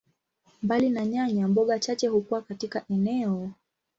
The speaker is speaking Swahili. Mbali na nyanya, mboga chache hukua katika eneo.